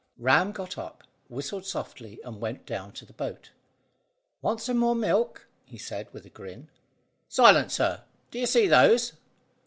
Ram got up, whistled softly, and went down to the boat. "Want some more milk?" he said, with a grin. "Silence, sir! Do you see those?"